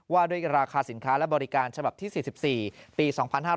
ว่าด้วยราคาสินค้าและบริการฉบับที่๔๔ปี๒๕๕๙